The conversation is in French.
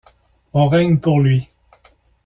On règne pour lui.